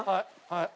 はい。